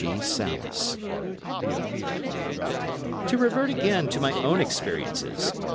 To revert again to my own experiences.